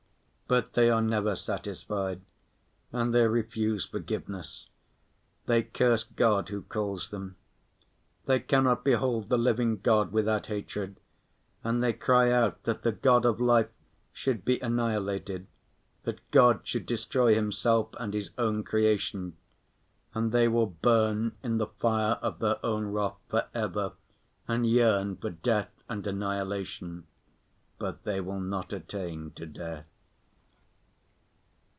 But they are never satisfied, and they refuse forgiveness, they curse God Who calls them. They cannot behold the living God without hatred, and they cry out that the God of life should be annihilated, that God should destroy Himself and His own creation. And they will burn in the fire of their own wrath for ever and yearn for death and annihilation. But they will not attain to death....